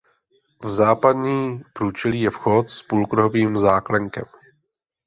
V západní průčelí je vchod s půlkruhovým záklenkem.